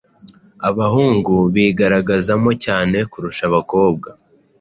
abahungu bigaragazamo cyane kurusha abakobwa.